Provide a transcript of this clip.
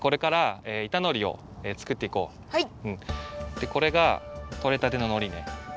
でこれがとれたてののりね。